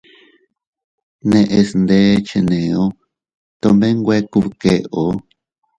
Neʼes ndé cheneo tomene nwe kubkeo.